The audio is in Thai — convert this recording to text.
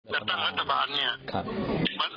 กับต่างรัฐบาลเนี่ย